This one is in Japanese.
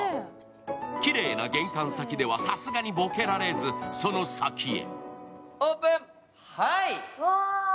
きれいな玄関先ではさすがにボケられず、その先へ。